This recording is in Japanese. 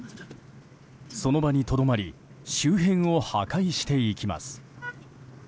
その場にとどまり周辺を破壊していきます。